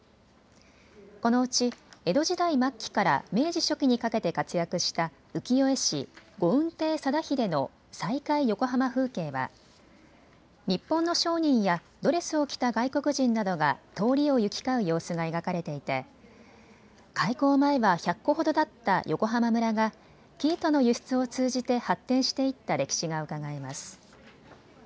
このうち江戸時代末期から明治初期にかけて活躍した浮世絵師、五雲亭貞秀の再改横浜風景は日本の商人やドレスを着た外国人などが通りを行き交う様子が描かれていて開港前は１００戸ほどだった横浜村が生糸の輸出を通じて発展していった歴史がうかがえます。